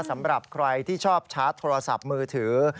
สำหรับใครที่ชอบชาร์จโทรศัพท์มือถือ